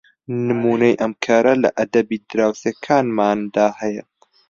نمونەی ئەم کارە لە ئەدەبی دراوسێکانماندا هەیە